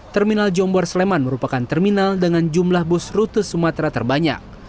terminal jombor sleman merupakan terminal dengan jumlah bus rute sumatera terbanyak